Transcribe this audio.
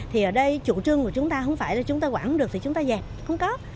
thì ở đây chủ trương của chúng ta không phải là chúng ta quản được thì chúng ta giảm không có